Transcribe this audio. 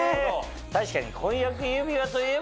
確かに。